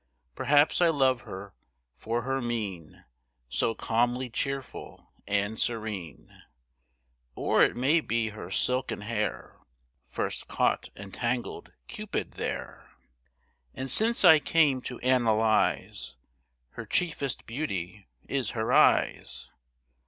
Perhaps I love her for her mien, So calmly cheerful and serene; Or it may be her silken hair, First caught and tangled Cupid there. And since I came to analyse; Her chiefest beauty is her eyes.